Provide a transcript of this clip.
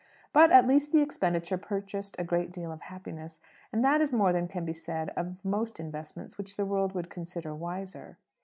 But at least the expenditure purchased a great deal of happiness; and that is more than can be said of most investments which the world would consider wiser.